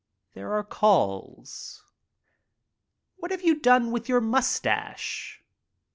There are calls, "What have you done with your mustache?"